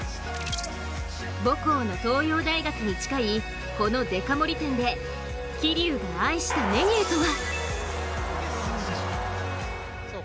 母校の東洋大学に近いこのデカ盛り店で桐生が愛したメニューとは？